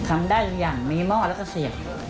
ทำได้ทุกอย่างมีหม้อแล้วก็เสียบ